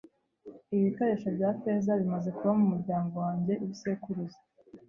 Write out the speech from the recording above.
Ibi bikoresho bya feza bimaze kuba mumuryango wanjye ibisekuruza.